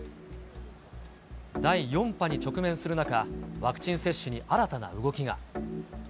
第４波に直面する中、ワクチン接種に新たな動きが。